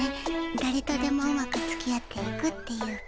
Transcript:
だれとでもうまくつきあっていくっていうか。